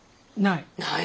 ない。